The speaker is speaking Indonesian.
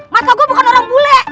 mata gua bukan orang bule